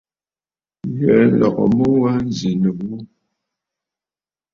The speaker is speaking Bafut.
Ghɛ̀ɛ nlɔgə mu wa nzì nɨ ghu.